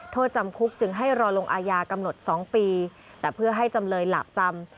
โทษจำคุกจึงให้รอลงอาญากำหนด๒ปีแต่เพื่อให้จำเลยหลากจำ